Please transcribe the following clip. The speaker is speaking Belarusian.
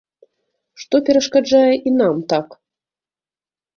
Што перашкаджае і нам так?